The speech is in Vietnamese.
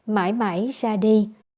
mãi mãi ra đi